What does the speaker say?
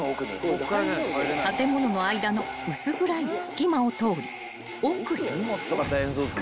［建物の間の薄暗い隙間を通り奥へ］